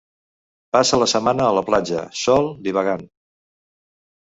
Passa la setmana a la platja, sol, divagant.